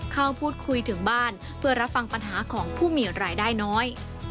เข้าพูดคุยถึงบ้านเพื่อรับฟังปัญหาของผู้มีรายได้น้อย